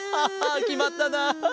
きまったなあ！